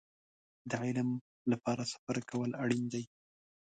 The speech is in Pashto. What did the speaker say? د علم لپاره سفر کول اړين دی.